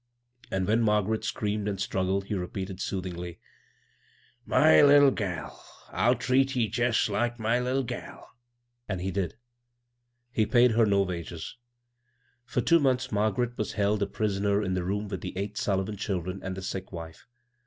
And when Margaret screamed and struggled he repeated soothingly," My litde gal — I'll treat ye jest Uke my little gal!" And he did — he paid her no wages I For two months Margaret was held a pris oner in the room with the eight Sullivan children and the sick wife.